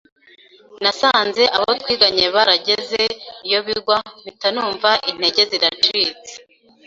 nasanze abo twiganye barageze iyo bigwa mpita numva intege ziracitse